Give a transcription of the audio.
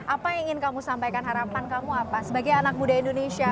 apa yang ingin kamu sampaikan harapan kamu apa sebagai anak muda indonesia